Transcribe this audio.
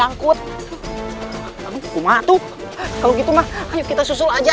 angkut kalau gitu mah ayo kita susul aja